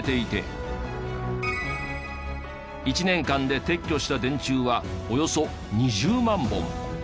１年間で撤去した電柱はおよそ２０万本。